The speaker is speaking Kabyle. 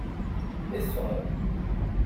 I teffɣem?